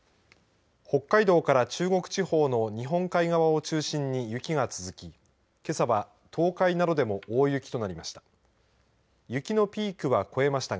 北海道から中国地方の日本海側を中心に雪が続きけさは東海などでも大雪となりました。